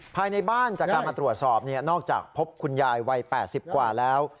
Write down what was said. ภายในบ้านจากการมาตรวจสอบนอกจากพบคุณยายวัย๘๐กว่าแล้ว